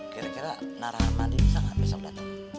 kira kira naramadi bisa nggak besok datang